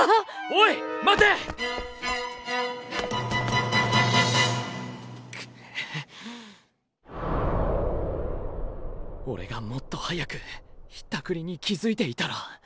おれがもっと早くひったくりに気付いていたら。